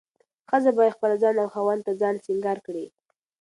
ښځه باید خپل ځان او خاوند ته ځان سينګار کړي.